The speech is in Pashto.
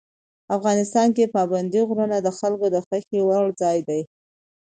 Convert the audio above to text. افغانستان کې پابندي غرونه د خلکو د خوښې وړ ځای دی.